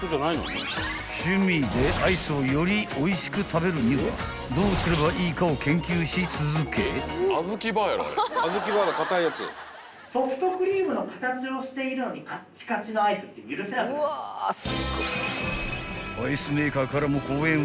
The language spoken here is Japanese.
［趣味でアイスをよりおいしく食べるにはどうすればいいかを研究し続け］［アイス］